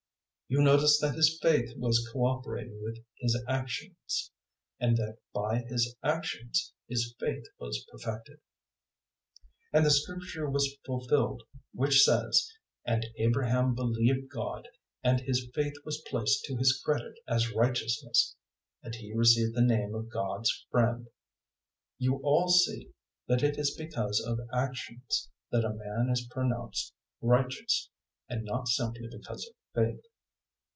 002:022 You notice that his faith was co operating with his actions, and that by his actions his faith was perfected; 002:023 and the Scripture was fulfilled which says, "And Abraham believed God, and his faith was placed to his credit as righteousness," and he received the name of `God's friend.' 002:024 You all see that it is because of actions that a man is pronounced righteous, and not simply because of faith.